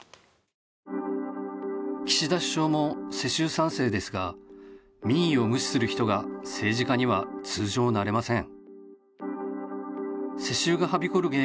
岸田首相も世襲３世ですが民意を無視する人が政治家には通常なれません。